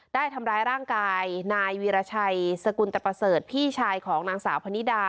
ได้ทำร้ายร่างกายนายวีรชัยสกุลตะประเสริฐพี่ชายของนางสาวพนิดา